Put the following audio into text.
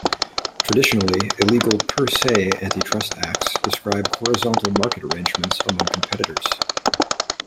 Traditionally, illegal "per se" anti-trust acts describe horizontal market arrangements among competitors.